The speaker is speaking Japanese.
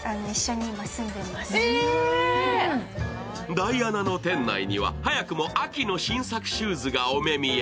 Ｄｉａｎａの店内には早くも秋の新作シューズがお目見え。